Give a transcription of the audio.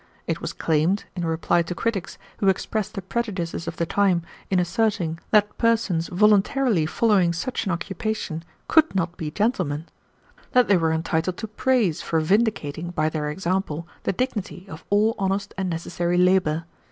It was claimed, in reply to critics who expressed the prejudices of the time in asserting that persons voluntarily following such an occupation could not be gentlemen, that they were entitled to praise for vindicating, by their example, the dignity of all honest and necessary labor.